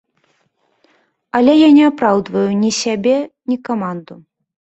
Але я не апраўдваю ні сябе, ні каманду.